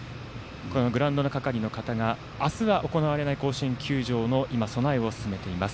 グラウンドの係の方が明日は行われない甲子園球場の今、備えを進めています。